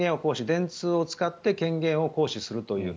電通を使って権限を行使するという。